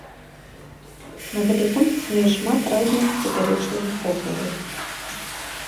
На гэты конт існуе шмат розных супярэчлівых поглядаў.